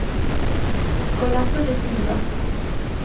Golazo de Silva.